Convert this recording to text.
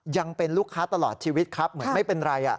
ยังเป็นลูกค้าตลอดชีวิตครับเหมือนไม่เป็นไร